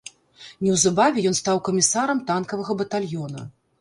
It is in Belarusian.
Неўзабаве ён стаў камісарам танкавага батальёна.